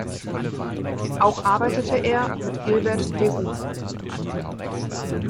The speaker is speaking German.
Auch arbeitete er mit Gilbert Leroux.